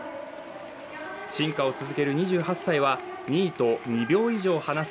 進化を続ける２８歳は２位と２秒以上引き離す